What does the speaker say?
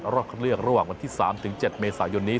รอบคัดเลือกระหว่างวันที่๓๗เมษายนนี้